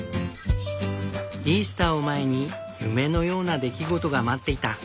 イースターを前に夢のような出来事が待っていた。